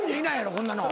こんな人。